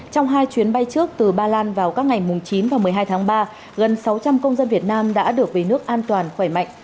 trong hai chuyến bay trước từ ba lan vào các ngày chín và một mươi hai tháng ba gần sáu trăm linh công dân việt nam đã được về nước an toàn khỏe mạnh